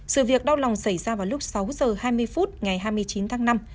sự việc đau lòng xảy ra vào lúc sáu h hai mươi phút ngày hai mươi chín tháng năm